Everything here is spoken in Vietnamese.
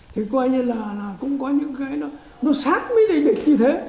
thì coi như là cũng có những cái nó sát với địch như thế